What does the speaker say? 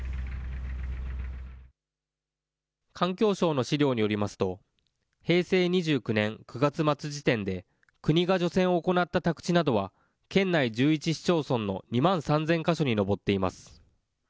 環境省の資料によりますと、平成２９年９月末時点で、国が除染を行った宅地などは県内１１市町村の２万３０００か所に上っています。